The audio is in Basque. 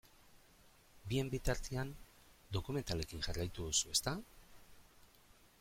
Bien bitartean dokumentalekin jarraitu duzu, ezta?